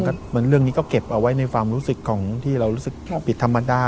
เหมือนเรื่องนี้ก็เก็บเอาไว้ในความรู้สึกของที่เรารู้สึกผิดธรรมดา